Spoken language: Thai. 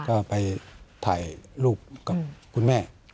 ก็ไปถ่ายรูปกับคุณแม่